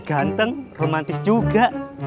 ganteng romantis juga